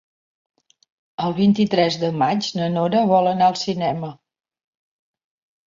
El vint-i-tres de maig na Nora vol anar al cinema.